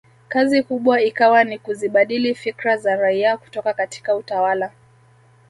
Kazi kubwa ikawa ni kuzibadili fikra za raia kutoka katika utawala